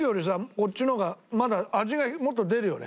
こっちの方がまだ味がもっと出るよね？